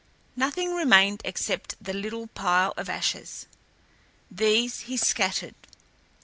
Nothing remained except the little pile of ashes. These he scattered.